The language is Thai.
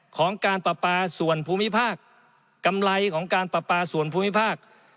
ของการปราปาส่วนภูมิภาคกำไรของการปราปาส่วนภูมิภาค